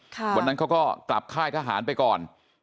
วันนั้นเขาก็กลับค่ายทหารไปก่อน